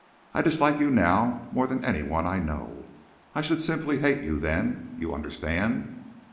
I dislike you now more than any one I know. I should simply hate you then. You understand?"